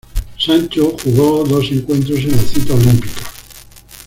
Sancho jugó dos encuentros en la cita olímpica.